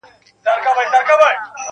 چا په غوږ کي را ویله ویده نه سې بندیوانه-